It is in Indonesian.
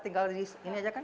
tinggal ini aja kan